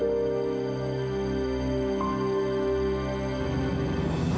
kita seperti anak pokoknya